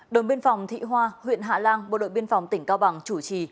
đồn biên phòng thị hoa huyện hạ lan bộ đội biên phòng tỉnh cao bằng chủ trì